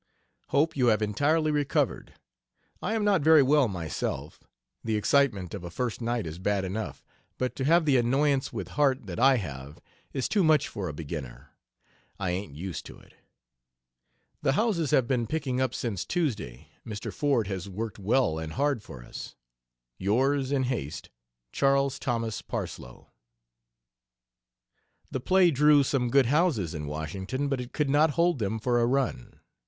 Hope you have entirely recovered. I am not very well myself, the excitement of a first night is bad enough, but to have the annoyance with Harte that I have is too much for a beginner. I ain't used to it. The houses have been picking up since Tuesday Mr. Ford has worked well and hard for us. Yours in, haste, CHAS. THOS. PARSLOE. The play drew some good houses in Washington, but it could not hold them for a run.